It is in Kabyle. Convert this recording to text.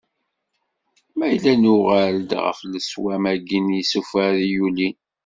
Ma yella nuɣal-d ɣef leswam-agi n yisufar i yulin.